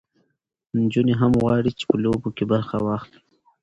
نجونې هم غواړي چې په لوبو کې برخه واخلي.